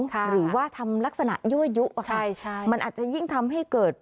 หรือว่าทำลักษณะยั่วยุมันอาจจะยิ่งทำให้เกิด